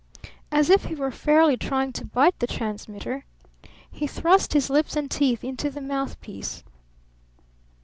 As if he were fairly trying to bite the transmitter, he thrust his lips and teeth into the mouth piece.